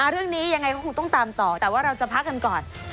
เรื่องนี้ยังไงก็คงต้องตามต่อแต่ว่าเราจะพักกันก่อน